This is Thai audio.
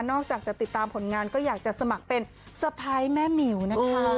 อกจากจะติดตามผลงานก็อยากจะสมัครเป็นสะพ้ายแม่หมิวนะคะ